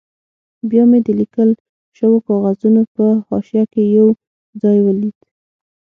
بیا مې د لیکل شوو کاغذونو په حاشیه کې یو ځای ولید.